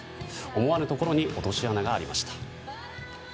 思わぬところに落とし穴がありました。